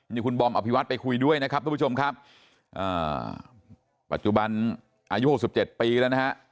นี่คุณบอมอภิวัตไปคุยด้วยนะครับทุกผู้ชมครับปัจจุบันอายุ๖๗ปีแล้วนะฮะ